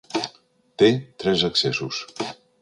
Té tres accessos.